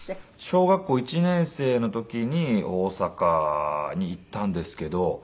小学校１年生の時に大阪に行ったんですけど。